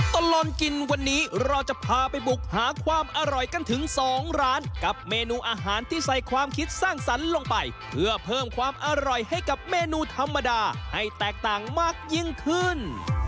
ตลอดกินวันนี้เราจะพาไปบุกหาความอร่อยกันถึง๒ร้านกับเมนูอาหารที่ใส่ความคิดสร้างสรรค์ลงไปเพื่อเพิ่มความอร่อยให้กับเมนูธรรมดาให้แตกต่างมากยิ่งขึ้น